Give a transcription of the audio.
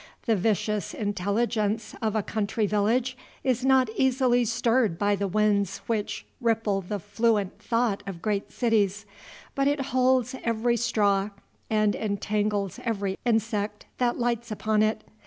The viscous intelligence of a country village is not easily stirred by the winds which ripple the fluent thought of great cities, but it holds every straw and entangles every insect that lights upon it.